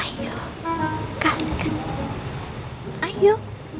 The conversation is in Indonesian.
aku akan mencintai kamu